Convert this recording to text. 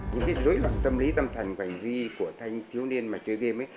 những cái rối loạn tâm lý tâm thần quảnh vi của thanh thiếu niên mà chơi game ấy